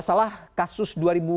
salah kasus dua ribu sembilan belas